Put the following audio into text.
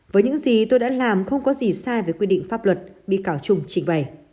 với những gì tôi đã làm không có gì sai với quy định pháp luật bị cáo trung trình bày